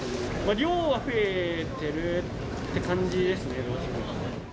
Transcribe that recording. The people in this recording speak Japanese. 量は増えてるって感じですね。